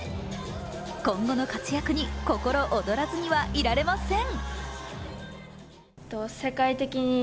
今後の活躍に心躍らずにはいられません。